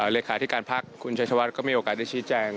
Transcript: เลขาธิการพักคุณชัยชวัฒน์ก็มีโอกาสได้ชี้แจง